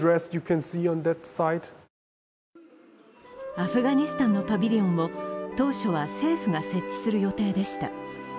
アフガニスタンのパビリオンも当初は政府が設置する予定でした。